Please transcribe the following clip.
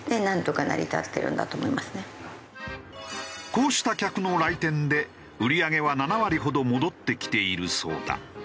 こうした客の来店で売り上げは７割ほど戻ってきているそうだ。